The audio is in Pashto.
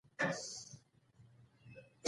د بغلان د رباطک کتیبه د کنیشکا د واکمنۍ مهم سند دی